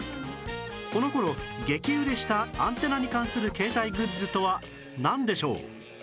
この頃激売れしたアンテナに関する携帯グッズとはなんでしょう？